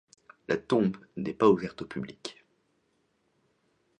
La tombe n'est pas ouverte au public.